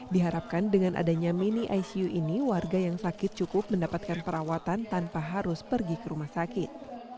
diharapkan dengan adanya mini icu ini warga yang sakit cukup mendapatkan perawatan tanpa harus pergi ke rumah sakit